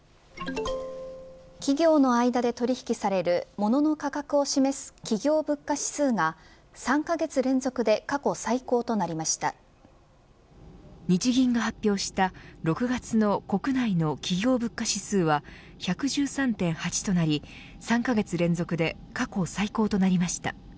企業の間で取引されるものの価格を示す企業物価指数が３カ月連続で日銀が発表した６月の国内の企業物価指数は１１３．８となり３カ月連続で過去最高となりました。